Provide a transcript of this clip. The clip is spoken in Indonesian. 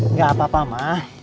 nggak apa apa mah